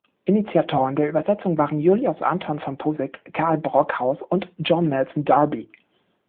Initiatoren der Übersetzung waren Julius Anton von Poseck, Carl Brockhaus und John Nelson Darby.